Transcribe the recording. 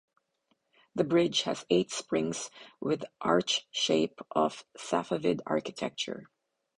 This bridge has eight springs with arch shape of Safavid architecture.